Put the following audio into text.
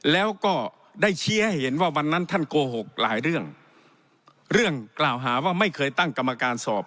แล้วก็ได้ชี้ให้เห็นว่าวันนั้นท่านโกหกหลายเรื่องเรื่องกล่าวหาว่าไม่เคยตั้งกรรมการสอบ